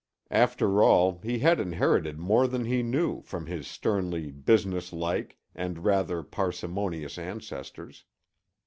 After all, he had inherited more than he knew from his sternly business like and rather parsimonious ancestors.